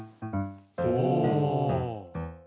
おお！